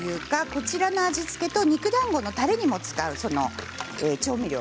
こちらの味付けと肉だんごのたれにも使う調味料